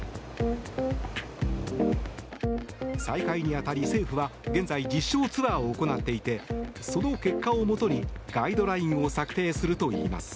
再開に当たり、政府は現在実証ツアーを行っていてその結果をもとにガイドラインを策定するといいます。